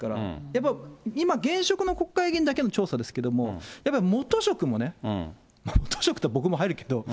やっぱり今、現職の国会議員だけの調査ですけれども、やっぱり元職もね、元職って、僕も入るけど。